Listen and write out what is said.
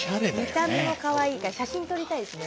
見た目もかわいいから写真撮りたいですね。